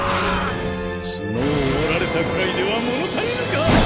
角を折られたくらいでは物足りぬかぁっ